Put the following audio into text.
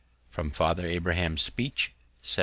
] From "Father Abraham's Speech," 1760.